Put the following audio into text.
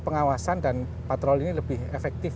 pengawasan dan patroli ini lebih efektif